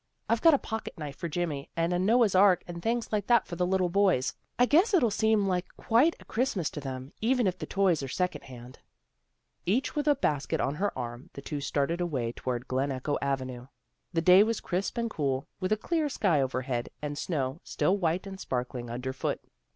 I've got a pocket knife for Jimmy, and a Noah's ark and things like that for the little boys. I guess it'll seem like quite a Christmas to them, even if the toys are second hand." Each with a basket on her arm, the two started away toward Glen Echo Avenue. The day was crisp and cool, with a clear sky overhead, and snow, still white and sparkling, underfoot.